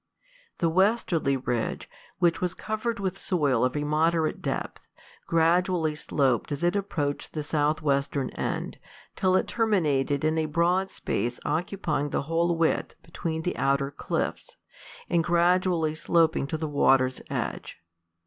The westerly ridge, which was covered with soil of a moderate depth, gradually sloped as it approached the south western end, till it terminated in a broad space occupying the whole width between the outer cliffs, and gradually sloping to the water's edge.